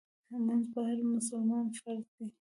مونځ په هر مسلمان فرض دی